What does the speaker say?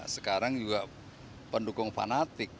sekarang juga pendukung fanatik